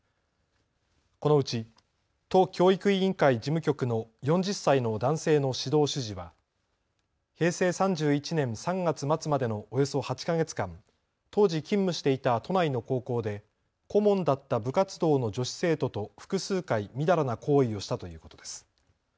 このうち都教育委員会事務局の４０歳の男性の指導主事は平成３１年３月末までのおよそ８か月間、当時勤務していた都内の高校で顧問だった部活動の女子生徒と複数回みだらな行為をしたということです。